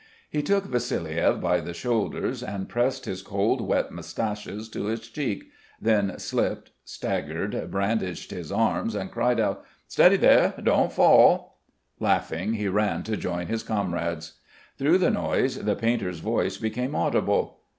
He took Vassiliev by the shoulders and pressed his cold wet moustaches to his cheek, then slipped, staggered, brandished his arms, and cried out: "Steady there don't fall." Laughing, he ran to join his comrades. Through the noise the painter's voice became audible.